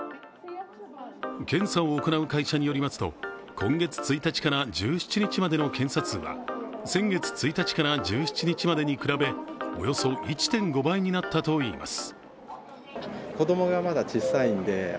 検査を行う会社によりますと、今月１日から１７日までの検査数は先月１日から１７日に比べ、およそ１．５倍になったといいます。